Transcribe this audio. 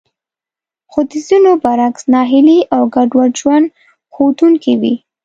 خو د ځينو برعکس ناهيلي او ګډوډ ژوند ښودونکې وې.